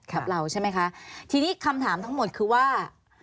กับเราใช่ไหมคะทีนี้คำถามทั้งหมดคือว่า